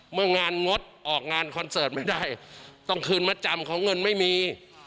เมื่องานงดออกงานคอนเสิร์ตไม่ได้ต้องคืนมาจำของเงินไม่มี